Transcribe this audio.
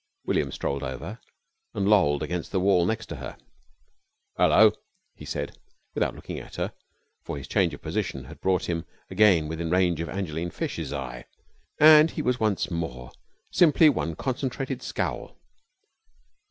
William strolled over and lolled against the wall next to her. "'Ullo!" he said, without looking at her, for this change of position had brought him again within range of Evangeline Fish's eye, and he was once more simply one concentrated scowl.